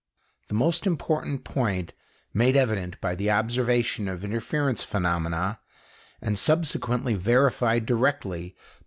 The most important point made evident by the observation of interference phenomena and subsequently verified directly by M.